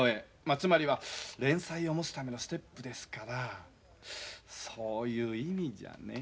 つまりは連載を持つためのステップですからそういう意味じゃねえ。